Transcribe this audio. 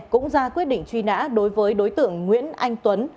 cũng ra quyết định truy nã đối với đối tượng nguyễn anh tuấn